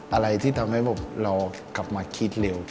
อะไรที่ทำให้เรากลับมาคิดเร็ว